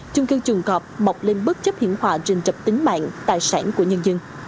trung cư trùng cọp mọc lên bất chấp hiển hòa rình trập tính mạng tài sản của nhân dân